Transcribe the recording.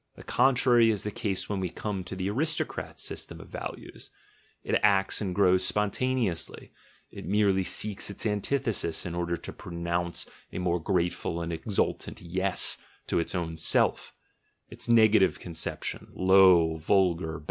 The contrary is the case when a 1 8 THE GENEALOGY OF MORALS we come to the aristocrat's system of values: it acts and grows spontaneously, it merely seeks its antithesis in order to pronounce a more grateful and exultant "yes" to its own self; — its negative conception, "low," "vulgar."